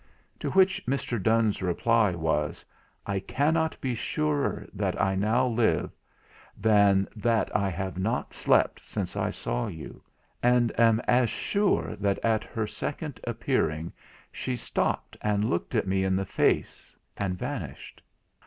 To which Mr. Donne's reply was: "I cannot be surer that I now live than that I have not slept since I saw you: and am as sure that at her second appearing she stopped and looked me in the face, and vanished."